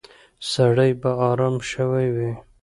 سړی به ارام شوی وي.